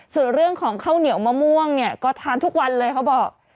ส่วนเรื่องของข้าวเหนียวมะม่วงเนี่ยก็ทานทุกวันเลยเขาบอก